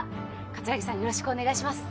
桂木さんよろしくお願いします。